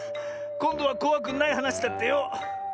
こんどはこわくないはなしだってよ。